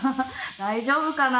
大丈夫かな？